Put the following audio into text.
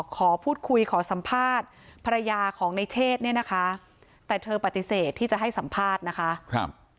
ขอพูดคุยขอสัมภาษณ์ภรรยาของในเชศเนี่ยนะคะแต่เธอปฏิเสธที่จะให้สัมภาษณ์นะคะ